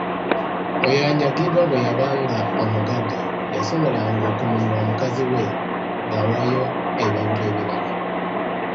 "Oyo anyagiddwa bwe yabanga omugagga, yasobolanga okununula mukazi we ng'awaayo ebintu ebirala."